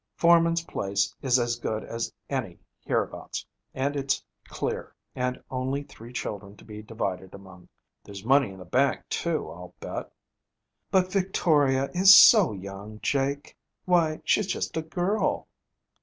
Forman's place is as good as any hereabouts, and it's clear, and only three children to be divided among. There's money in the bank, too, I'll bet.' 'But Victoria is so young, Jake. Why, she's just a girl!'